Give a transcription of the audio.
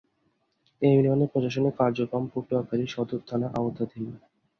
এ ইউনিয়নের প্রশাসনিক কার্যক্রম পটুয়াখালী সদর থানার আওতাধীন।